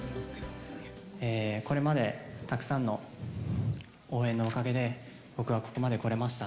これまでたくさんの応援のおかげで、僕はここまでこれました。